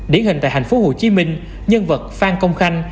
điển hình tại hành phố hồ chí minh nhân vật phan công khanh